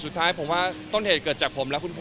สุดท้ายผมว่าต้นเหตุเกิดจากผมและคุณพ่อ